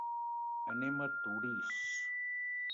Anem a Torís.